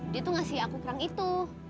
dia tuh ngasih aku kerang itu